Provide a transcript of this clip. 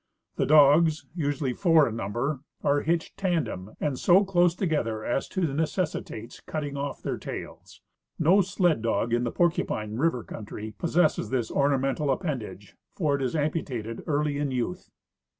The dogs, usually four in number, are hitched tandem and so close together as to necessitates cut ting off their tails. No sled dog in the PorcujDine river country possesses this ornamental appendage, for it is amputated early in youth.